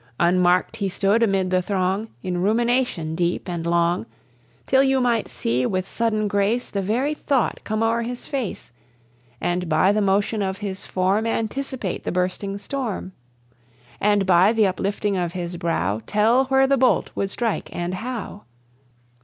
Unmarked he stood amid the throng, In rumination deep and long, Till you might see, with sudden grace, The very thought come o'er his face; And, by the motion of his form, Anticipate the bursting storm, And, by the uplifting of his brow, Tell where the bolt would strike, and how.